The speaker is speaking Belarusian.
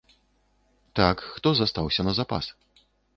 Так, хто застаўся на запас?